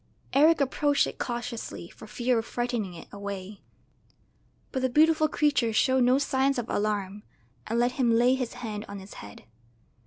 Eric approached it cautiously for fear of frightening it away, but the beautiful creature showed no signs of alarm, and let him lay his hand on its head.